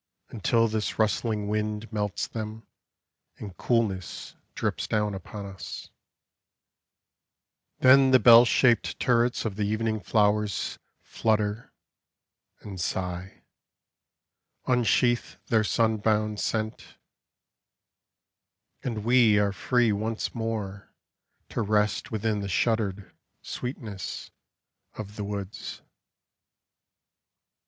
Until this rustling wind Melts them And coolness drips down upon us ; Then the bell shaped turrets of the evening flowers Flutter, and sigh, Unsheathe their sun bound scent, —And we are free once more To rest within the shuttered sweetness of the woods.